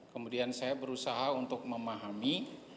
kemudian saya berusaha untuk memahami